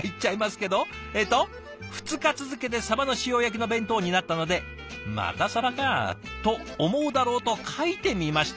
えっと「２日続けてさばの塩焼きの弁当になったので『またさばか』と思うだろうと書いてみました」。